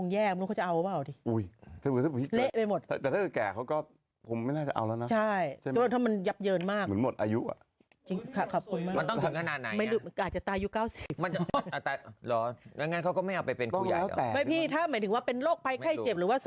หรือเค้าไม่อยากใช้